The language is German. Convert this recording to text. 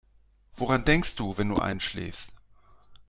Woran denkst du, wenn du einschläfst?